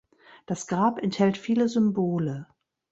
Das Grab enthält viele Symbole.